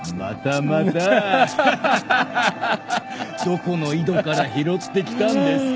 どこの井戸から拾ってきたんですか。